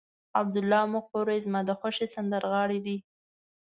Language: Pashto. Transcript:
عبدالله مقری زما د خوښې سندرغاړی دی.